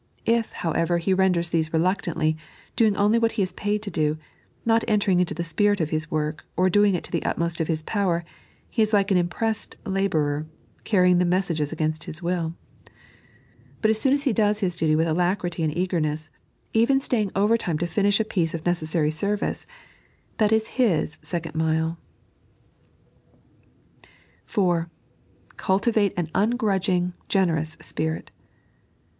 If, however, he renders these reluctantly, doing only what he is paid to do, not entering into the spirit of his work, or doing it to the utmost of his power, he is like an impressed labourer, carrying the messages against his wiU ; but as soon as be does bis duty with alacrity and eagerness, even staying overtime to finish a piece of necessary service, that is Am aeeond mile. (4) CvitvoaU an ungrudging, generoue spirit.